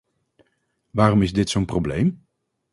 Waarom is dit zo'n probleem?